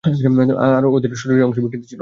আর ওদের শরীরের অংশ বিকৃত ছিল।